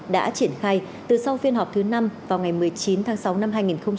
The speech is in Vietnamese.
đã triển khai từ sau phiên họp thứ năm vào ngày một mươi chín tháng sáu năm hai nghìn hai mươi